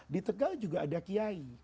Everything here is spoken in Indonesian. di tegal juga ada kiai